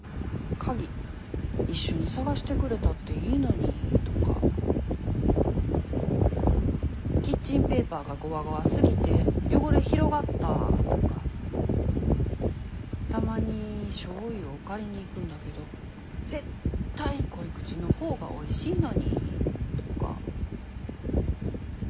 鍵一緒に捜してくれたっていいのにとかキッチンペーパーがゴワゴワすぎて汚れ広がったとかたまにしょうゆを借りに行くんだけど絶対濃口のほうがおいしいのにとか。